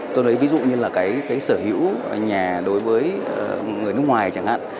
tôi lấy ví dụ như là cái sở hữu nhà đối với người nước ngoài chẳng hạn